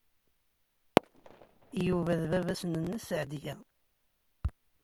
Yuba d baba-s n Nna Seɛdiya.